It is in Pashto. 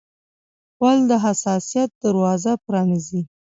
غول د حساسیت دروازه پرانیزي.